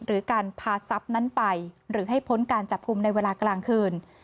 หรือการพาทรัพย์นั้นไปหรือให้พ้นการจับกลุ่มในเวลากลางคืน